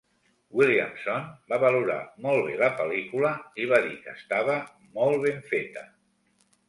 Williamson va valorar molt bé la pel·lícula i va dir que estava "molt ben feta".